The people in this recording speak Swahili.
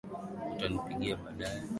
Utanipigia baadae